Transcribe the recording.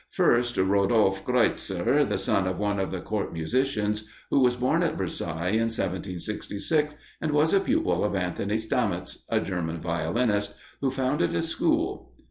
First, Rodolphe Kreutzer, the son of one of the Court musicians, who was born at Versailles in 1766, and was a pupil of Anthony Stamitz, a German violinist, who founded a school.